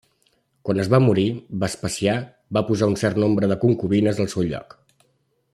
Quan es va morir, Vespasià va posar un cert nombre de concubines al seu lloc.